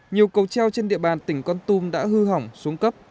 nhiều cầu treo trên địa bàn tỉnh con tum đã hư hỏng xuống cấp